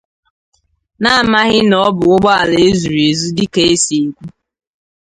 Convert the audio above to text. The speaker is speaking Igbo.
n'amaghị na ọ bụ ụgbọala e zùrù ezu dịka e si ekwu